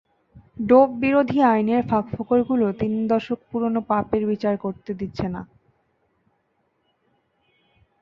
ডোপবিরোধী আইনের ফাঁকফোকরগুলো তিন দশক পুরোনো পাপের বিচার করতে দিচ্ছে না।